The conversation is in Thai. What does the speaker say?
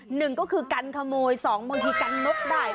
หนึ่งก็คือกันขโมยสองบางทีกันนกได้